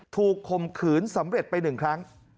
คมขืนสำเร็จไป๑ครั้ง